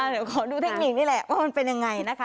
เดี๋ยวขอดูเทคนิคนี่แหละว่ามันเป็นยังไงนะคะ